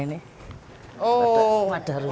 ini sudah terlihat